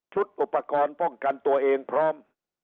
อุปกรณ์ป้องกันตัวเองพร้อม